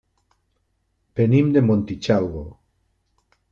Venim de Montitxelvo.